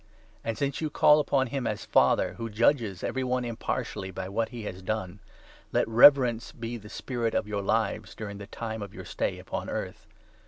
And since you call upon him as ' Father,' who judges every one impartially by what he has done, let reverence be the spirit of your lives during the time of your stay upon earth.